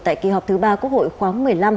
tại kỳ họp thứ ba quốc hội khoáng một mươi năm